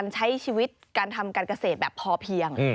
ใช้ชีวิตการทำการเกษตรแบบพอเพียง